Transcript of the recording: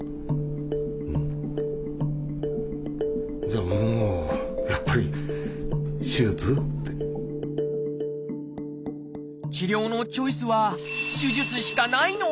じゃあもう治療のチョイスは手術しかないの？